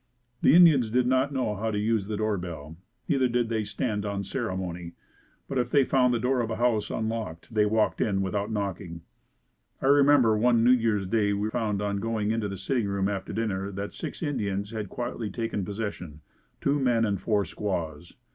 The Indians did not know the use of a door bell, neither did they stand on ceremony, but if they found the door of a house unlocked they walked in without knocking. I remember that one New Year's Day we found on going into the sitting room after dinner, that six Indians had quietly taken possession, two men and four squaws.